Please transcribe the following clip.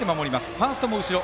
ファーストも後ろ。